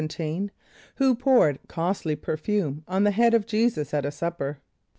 = Who poured costly perfume on the head of J[=e]´[s+]us at a supper?